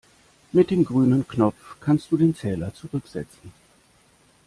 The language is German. Mit dem grünen Knopf kannst du den Zähler zurücksetzen.